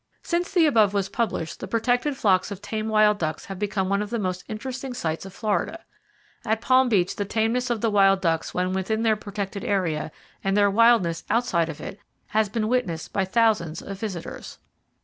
Since the above was published, the protected flocks of tame wild ducks have become one of the most interesting sights of Florida. At Palm Beach the tameness of the wild ducks when within their protected area, and their wildness outside of it, has been witnessed by thousands of visitors.